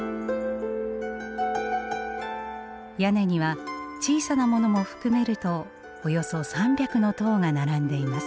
屋根には小さなものも含めるとおよそ３００の塔が並んでいます。